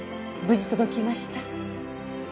無事届きました？